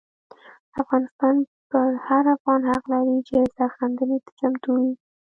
افغانستان پر هر افغان حق لري چې سرښندنې ته چمتو وي.